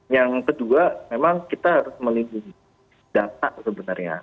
yang kedua memang kita harus melindungi data sebenarnya